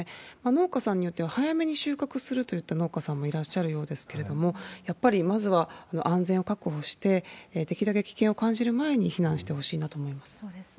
農家さんによっては早めに収穫するといった農家さんもいらっしゃるようですけれども、やっぱりまずは安全を確保して、できるだけ危険を感じる前に避難してほしいなと思います。